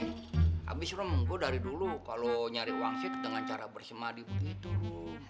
habis rum gue dari dulu kalau nyari wangsit dengan cara bersemadi gitu rum